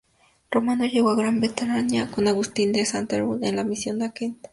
Romano llegó a Gran Bretaña con Agustín de Canterbury en la misión a Kent.